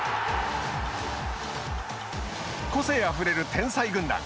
個性あふれる天才軍団。